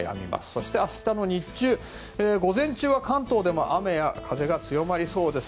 そして、明日の日中午前中は関東でも雨や風が強まりそうです。